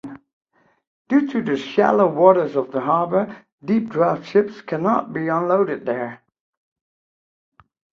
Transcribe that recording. Due to the shallow waters of the harbor, deep-draft ships cannot be unloaded there.